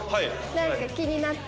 なんか気になって。